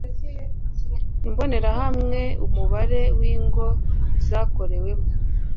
Imbonerahamwe Umubare w ingo zakorewemo